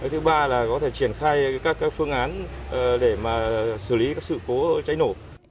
thứ ba là có thể triển khai các phương án để xử lý các sự cố cháy nổ